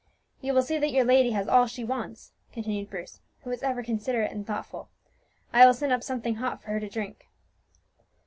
"You will see that your lady has all that she wants," continued Bruce, who was ever considerate and thoughtful. "I will send up something hot for her to drink."